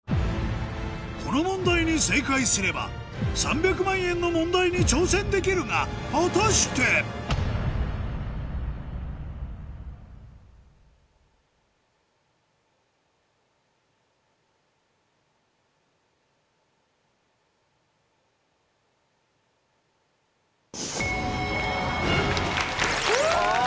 この問題に正解すれば３００万円の問題に挑戦できるが果たして⁉フゥ！